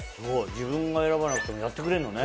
自分が選ばなくてもやってくれるのね。